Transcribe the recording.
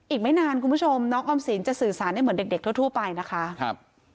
อีกไม่นานคุณผู้ชมน้องออมสินจะสื่อสารได้เหมือนเด็กเด็กทั่วไปนะคะครับ